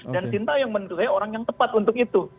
dan sintiung menurut saya orang yang tepat untuk itu